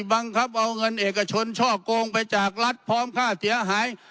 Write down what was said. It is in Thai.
บังคับเอาเงินเอกชนช่อโกงไปจากรัฐพร้อมค่าเสียหาย